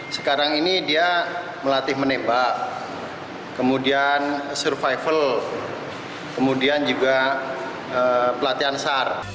sekarang ini dia melatih menembak kemudian survival kemudian juga pelatihan sar